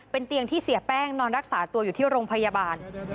เป็นเตียงที่เสียแป้งนอนรักษาตัวอยู่ที่โรงพยาบาล